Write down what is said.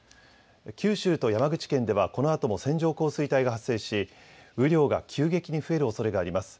九州と山口県ではこのあとも線状降水帯が発生し雨量が急激に増えるおそれがあります。